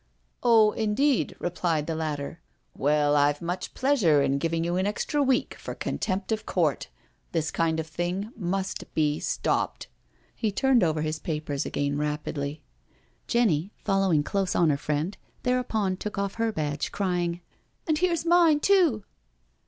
'^" Oh, indeed," replied the latter. " Well, I've much pleasure in giving you an extra week for contempt of court. This kind of thing must be stopped." He turned over his papers again rapidly. Jenny, following close on her friend, thereupon took off her badge, crying: " And here's mine, too."